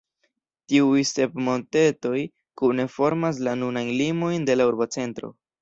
Tiuj sep montetoj kune formas la nunajn limojn de la urbocentro.